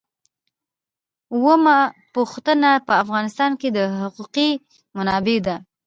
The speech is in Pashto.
اوومه پوښتنه په افغانستان کې د حقوقي منابعو ده.